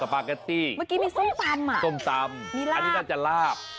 กาแปก๊ตี้มักกี้มีสมตำค่ะมีสมตำอันนี้น่าจะลาบ